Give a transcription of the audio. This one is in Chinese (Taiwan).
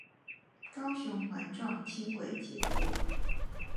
高雄環狀輕軌捷運